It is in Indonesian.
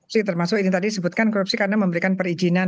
sih termasuk ini tadi disebutkan korupsi karena memberikan perizinan